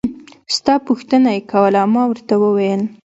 ستا پوښتنه يې کوله ما ورته وويل.